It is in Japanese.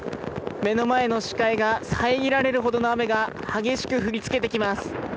目の前の視界が遮られるほどの雨が激しく降りつけてきます。